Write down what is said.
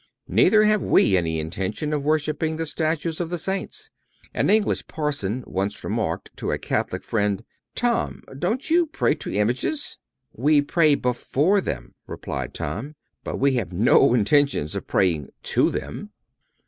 Neither have we any intention of worshiping the statues of the Saints. An English parson once remarked to a Catholic friend: "Tom, don't you pray to images?" "We pray before them," replied Tom; "but we have no intention of praying to them."